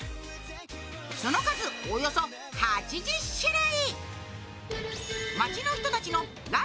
その数およそ８０種類！